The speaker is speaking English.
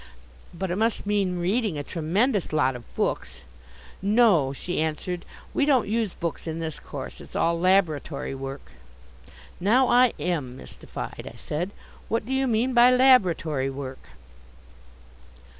"But it must mean reading a tremendous lot of books." "No," she answered. "We don't use books in this course. It's all Laboratory Work." "Now I am mystified," I said. "What do you mean by Laboratory Work?"